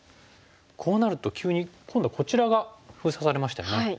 こうなると急に今度はこちらが封鎖されましたよね。